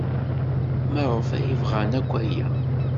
Maɣef ay bɣan akk aya?